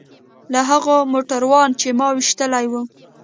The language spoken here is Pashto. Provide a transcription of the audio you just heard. له هغو موټرانو چې ما ويشتلي وو.